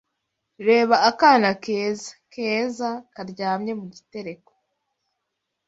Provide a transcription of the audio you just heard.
Reba akana keza keza karyamye mugitereko